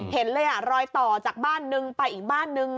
เห็นเลยอ่ะรอยต่อจากบ้านนึงไปอีกบ้านนึง